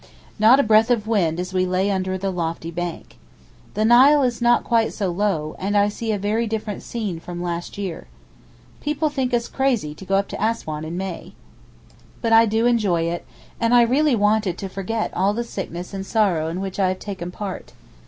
Not a breath of wind as we lay under the lofty bank. The Nile is not quite so low, and I see a very different scene from last year. People think us crazy to go up to Assouan in May, but I do enjoy it, and I really wanted to forget all the sickness and sorrow in which I have taken part.